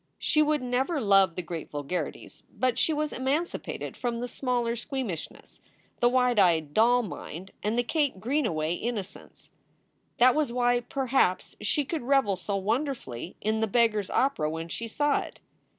She would never love the great vulgarities, but she was emancipated from the smaller squeamishness, the wide eyed doll nrnd, and the Kate Greenaway innocence. That was why, perhaps, she could revel so wonderfully in "The Beggar s Opera" when she saw it.